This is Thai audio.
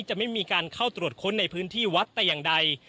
จะไม่มีการเข้าตรวจค้นในพื้นที่วัดแต่อย่างใด